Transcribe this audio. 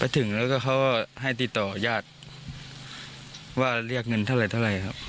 ถึงแล้วก็เขาก็ให้ติดต่อญาติว่าเรียกเงินเท่าไรเท่าไรครับ